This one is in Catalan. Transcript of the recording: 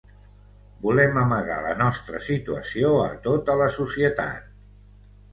Volem amagar la nostra situació a tota la societat.